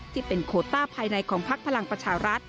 ที่เป็นโคต้าภายในของพักพลังประชารัฐ